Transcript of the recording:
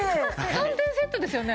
３点セットですよね？